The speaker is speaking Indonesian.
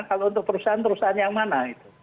kalau untuk perusahaan perusahaan yang mana